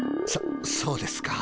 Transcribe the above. そそうですか。